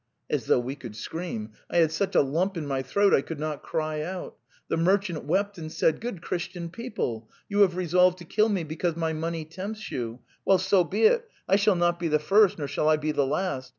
.' As though we could scream! I had such a lump in my throat I could not cry out. ... The merchant wept and said: 'Good Christian people! you have resolved to kill me because my money tempts you. Well, so be it; I shall not be the first nor shall I be the last.